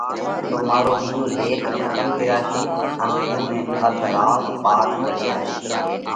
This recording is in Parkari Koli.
تو مارو ٻِيزو ليک کتم ٿي زاشي ان تُون نئہ اڌ راز پاٽ زڙي زاشي،